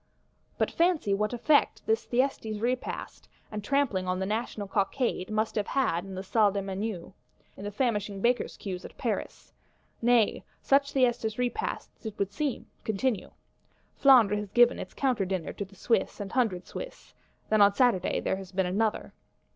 But fancy what effect this Thyestes Repast and trampling on the National Cockade, must have had in the Salle des Menus; in the famishing Bakers' queues at Paris! Nay such Thyestes Repasts, it would seem, continue. Flandre has given its Counter Dinner to the Swiss and Hundred Swiss; then on Saturday there has been another.